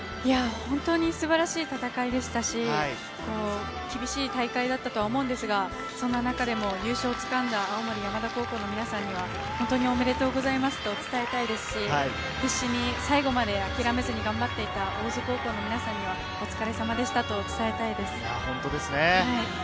本当に素晴らしい戦いでしたし、厳しい大会だったと思うんですが、その中でも優勝をつかんだ青森山田高校の皆さんには、本当におめでとうございますと伝えたいですし、必死に最後まであきらめずに頑張っていた大津高校の皆さんには、お疲れさまでしたと伝えたいです。